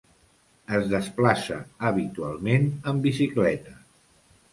Es desplaça habitualment amb bicicleta.